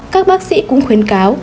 các bác sĩ cũng khuyến cáo